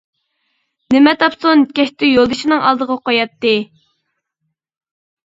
نېمە تاپسۇن كەچتە يولدىشىنىڭ ئالدىغا قوياتتى.